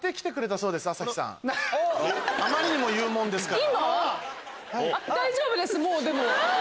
あまりにも言うもんですから。